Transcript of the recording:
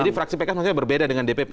jadi fraksi pks maksudnya berbeda dengan dpp